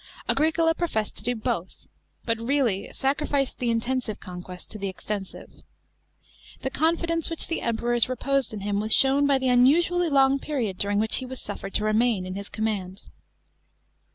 Agricola professed to do both, but really sacrificed the intensive conquest to the extensive. The confidence which the Emperors reposed in him was shown by the unusually long period during which he was suffered to remain in his command.